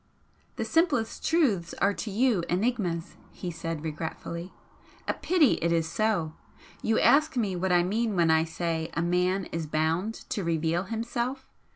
"The simplest truths are to you 'enigmas,'" he said, regretfully "A pity it is so! You ask me what I mean when I say a man is 'bound to reveal himself.'